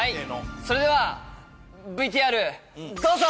それではＶＴＲどうぞ！